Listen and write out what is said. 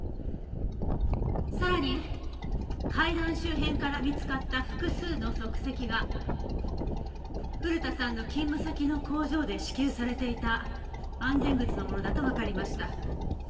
さらに階段周辺から見つかった複数の足跡が古田さんの勤務先の工場で支給されていた安全靴のものだとわかりました。